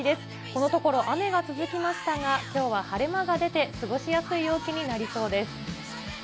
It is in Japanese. このところ雨が続きましたが、きょうは晴れ間が出て、過ごしやすい陽気になりそうです。